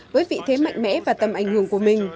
với vị thế mạnh mẽ và tầm ảnh hưởng của mình